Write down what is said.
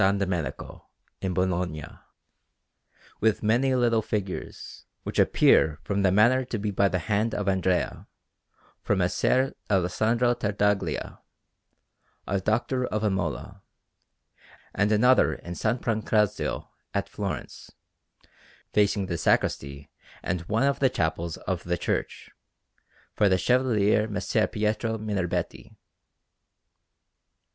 Domenico in Bologna, with many little figures, which appear from the manner to be by the hand of Andrea, for Messer Alessandro Tartaglia, a doctor of Imola, and another in S. Pancrazio at Florence, facing the sacristy and one of the chapels of the church, for the Chevalier Messer Pietro Minerbetti.